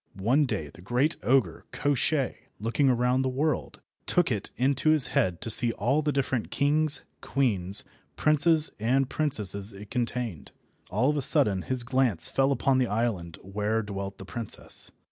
One day the great ogre Koshchei, looking around the world, took it into his head to see all the different kings, queens, princes, and princesses it contained. All of a sudden his glance fell upon the island where dwelt the princess.